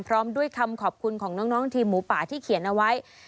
พร้อมด้วยคำขอบคุณของน้องทีมหมูป่าที่เขียนเอาไว้